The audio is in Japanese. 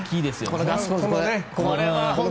このガッツポーズね。